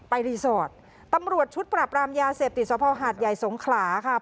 รีสอร์ทตำรวจชุดปรับรามยาเสพติดสภหาดใหญ่สงขลาค่ะ